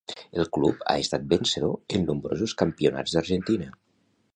El club ha estat vencedor en nombrosos campionats d'Argentina.